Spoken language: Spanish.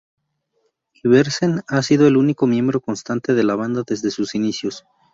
Iversen ha sido el único miembro constante de la banda desde sus inicios.